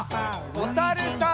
おさるさん。